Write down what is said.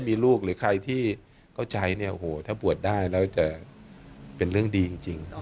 หรือใครที่เข้าใจถ้าบวชได้แล้วจะเป็นเรื่องดีจริง